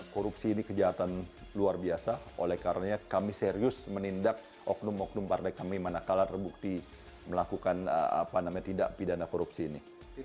korupsi ini kejahatan luar biasa oleh karena kami serius menindak oknum oknum partai kami manakala terbukti melakukan tindak pidana korupsi ini